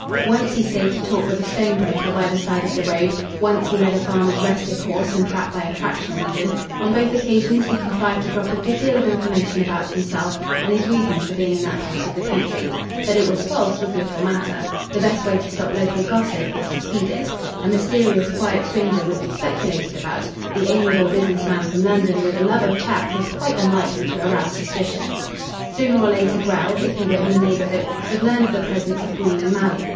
Once he stayed to talk with a stone breaker by the side of the wood; once he led a farmer's restive horse and trap by a traction engine. On both occasions he contrived to drop a good deal of information about himself, and his reasons for being in that part of the country. That it was false was little matter. The best way to stop local gossip is to feed it. A mysterious quiet stranger would be speculated about, the amiable business man from London with a love of chat was quite unlikely to arouse suspicions. Sooner or later Grell, if he were in the neighbourhood, would learn of the presence of Green and Malley.